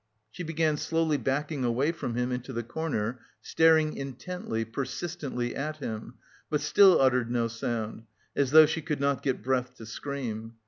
She began slowly backing away from him into the corner, staring intently, persistently at him, but still uttered no sound, as though she could not get breath to scream.